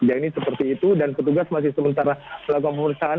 jadi ini seperti itu dan petugas masih sementara melakukan pembersaan